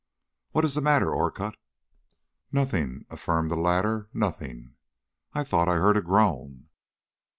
What is the matter, Orcutt?" "Nothing," affirmed the latter, "nothing, I thought I heard a groan."